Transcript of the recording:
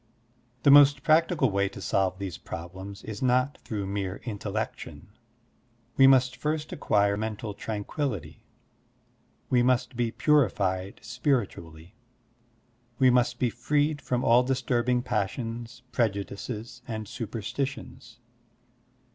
The most practical way to solve these problems is not through mere intellection. We must first acquire mental tranquillity, we must be ptirified spiritually, we must be freed from all disttirbing passions, prejudices, and superstitions.